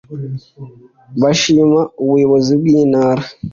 bashima Ubuyobozi bw’Intara